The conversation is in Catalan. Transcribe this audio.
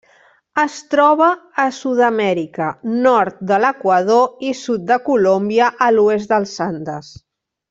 Es troba a Sud-amèrica: nord de l'Equador i sud de Colòmbia a l'oest dels Andes.